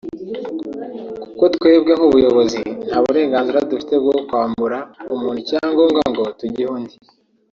kuko twebwe nk’ubuyobozi nta burenganzira dufite bwo kwambura umuntu icyangombwa ngo tugihe undi